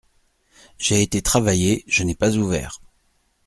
J’ai été travailler, je n’ai pas ouvert.